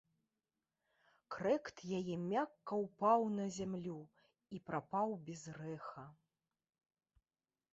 Крэкт яе мякка ўпаў на зямлю і прапаў без рэха.